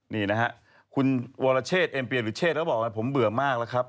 นี่นะฮะคุณวรเชษเอ็มเปียหรือเชษแล้วบอกเลยผมเบื่อมากแล้วครับ